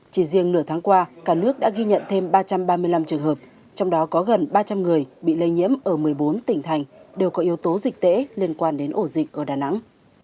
chỉ riêng nửa tháng qua cả nước đã ghi nhận thêm ba trăm ba mươi năm trường hợp trong đó có gần ba trăm linh người bị lây nhiễm ở một mươi bốn tỉnh thành đều có yếu tố dịch tễ liên quan đến ổ dịch ở đà nẵng